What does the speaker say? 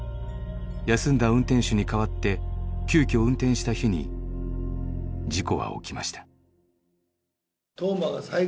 休んだ運転手に代わって急きょ運転した日に事故は起きました。